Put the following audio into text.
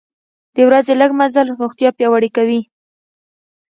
د ورځې لږه مزل روغتیا پیاوړې کوي.